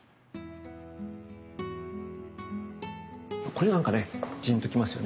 これなんかねじんときますよね。